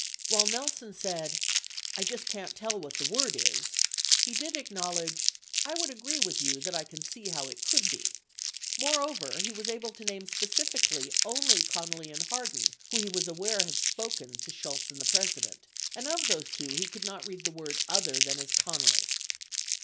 While Nelson said "I just can't tell what the word is," he did acknowledge : "I would agree with you that I can see how it could be. 46 Moreover, he v T as able to name specifically only Connally and Hardin who he was aware had spoken to Shultz and the President, and, of those two, he could not read the word other than as Connally.